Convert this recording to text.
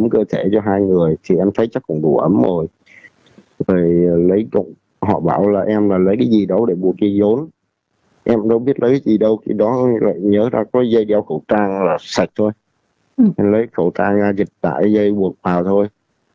chỉ là dịch tải dây buộc vào thôi